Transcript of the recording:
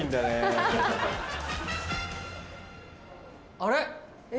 あれ？